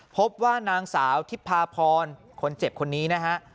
พบว่านางสาวทิพพาพรคนเจ็บคนนี้นะฮะ